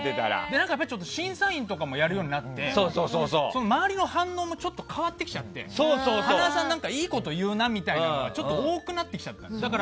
審査員とかやるようになって周りの反応もちょっと変わってきちゃって塙さん、何かいいこと言うなみたいなことが多くなってきた。